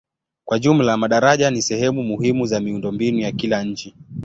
Kwa jumla madaraja ni sehemu muhimu za miundombinu ya kila nchi.